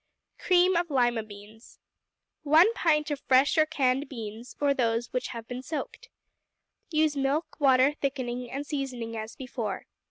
Cream of Lima Beans 1 pint of fresh or canned beans, or those which have been soaked. Use milk, water, thickening, and seasoning as before.